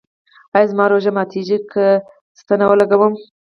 ایا زما روژه ماتیږي که ستنه ولګوم؟